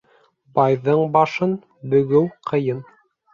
Байҙың башын бөгөү ҡыйын.